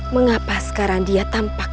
mengapa sekarang dia tampak